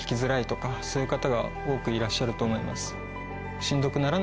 そういう方が多くいらっしゃると思います。